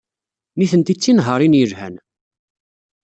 Nitenti d tinehhaṛin yelhan.